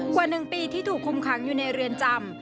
กว่า๑ปีที่ถูกคุมขังอยู่ในเรือนจำ